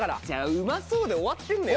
「うまそう」で終わってんのよ。